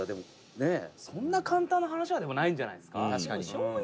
「ねえそんな簡単な話はでもないんじゃないんですか？」